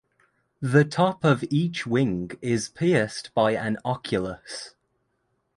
The top of each wing is pierced by an oculus.